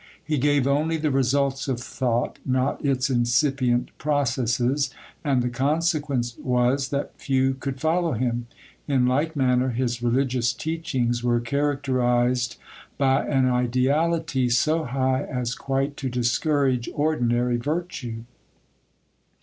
He gave only the results of thought, not its incipient processes; and the consequence was, that few could follow him. In like manner, his religious teachings were characterized by an ideality so high as quite to discourage ordinary virtue.